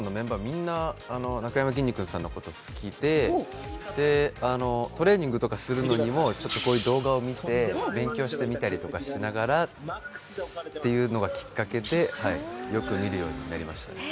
みんななかやまきんに君さんのことが好きでトレーニングするのにも動画を見て勉強して見たりとかしながらというのがきっかけで、よく見るようになりました。